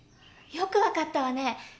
よくわかったわね。